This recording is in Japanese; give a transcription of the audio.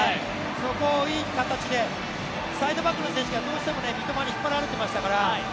そこをいい形で、サイドバックの選手がどうしても三笘に引っ張られてましたから。